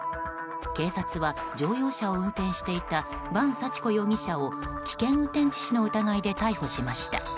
警察は乗用車を運転していた伴幸子容疑者を危険運転致死の疑いで逮捕しました。